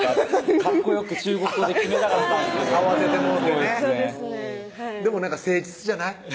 かっこよく中国語で決めたかったんですけど慌ててもうてねそうですねでも誠実じゃない？